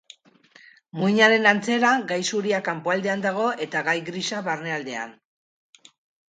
Muinaren antzera, gai zuria kanpoaldean dago, eta gai grisa barnealdean.